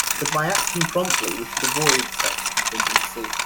But by acting promptly we should avoid such a contingency.